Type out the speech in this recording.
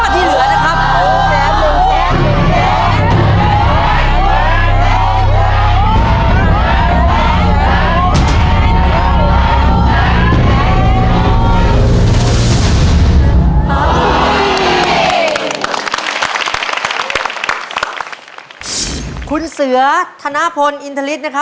ถูก